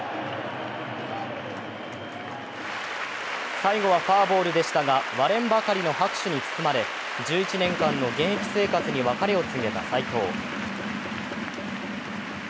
最後はフォアボールでしたが、割れんばかりの拍手に包まれ１１年間の現役生活に別れを告げた斎藤。